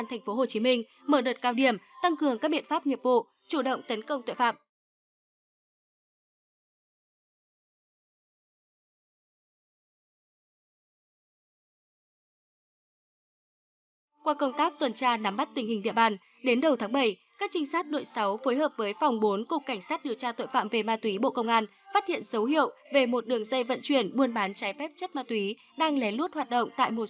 tăng cường các biện pháp nghiệp vụ chủ động tấn công tội phạm về ma túy bộ công an phát hiện dấu hiệu về một đường dây vận chuyển muôn bán trái phép chất ma túy bộ công an